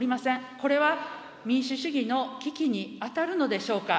これは民主主義の危機に当たるのでしょうか。